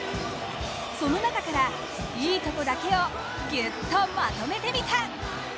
その中からいいとこだけをぎゅっとまとめてみた。